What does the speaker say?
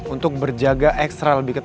untuk berjaga ekstra lebih ketat